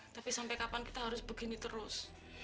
tapi sampai kapan kita harus begini terus